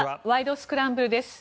スクランブル」です。